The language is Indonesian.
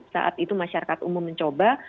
saat itu masyarakat umum mencoba